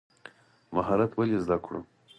مهارت ولې زده کړو؟